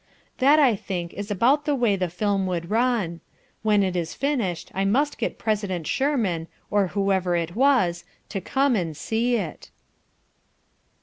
That, I think, is about the way the film would run. When it is finished I must get President Shurman, or whoever it was, to come and see it.